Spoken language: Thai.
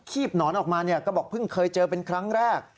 ีบหนอนออกมาก็บอกเพิ่งเคยเจอเป็นครั้งแรก